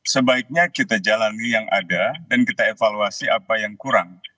sebaiknya kita jalani yang ada dan kita evaluasi apa yang kurang